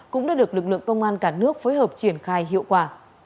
cũng đã được lực lượng công an cả nước phối hợp triển khai hiệu quả